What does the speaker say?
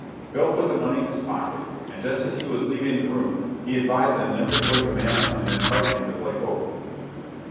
Bill put the money in his pocket, and just as he was leaving the room he advised them never to wake a man up and invite him to play poker.